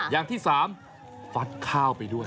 อย่างที่๓ฟัดข้าวไปด้วย